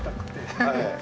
はい。